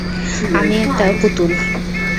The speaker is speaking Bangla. আমি একটা পুতুল।